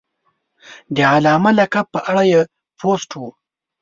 د علامه لقب په اړه یې پوسټ و.